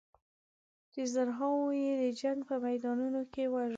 په زرهاوو یې د جنګ په میدانونو کې ووژل.